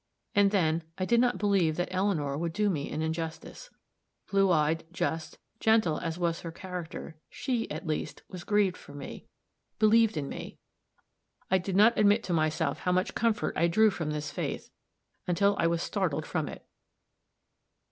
And then, I did not believe that Eleanor would do me an injustice. Blue eyed, just, gentle as was her character, she, at least, was grieved for me believed in me. I did not admit to myself how much comfort I drew from this faith, until I was startled from it.